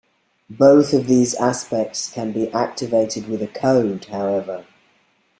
Both of these aspects can be activated with a code, however.